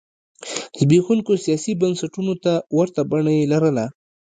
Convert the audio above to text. زبېښونکو سیاسي بنسټونو ته ورته بڼه یې لرله.